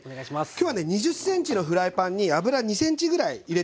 今日はね２０ｃｍのフライパンに油２ｃｍぐらい入れてあります。